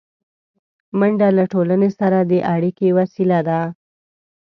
منډه له ټولنې سره د اړیکې وسیله ده